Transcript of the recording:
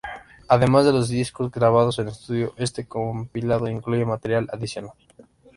Además de los discos grabados en estudio, este compilado incluye material adicional.